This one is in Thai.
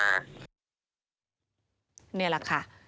นี่แหละค่ะ